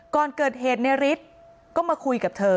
ก่อนเกิดเหตุในฤทธิ์ก็มาคุยกับเธอ